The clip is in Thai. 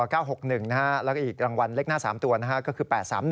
แล้วก็อีกรางวัลเลขหน้า๓ตัวก็คือ๘๓๑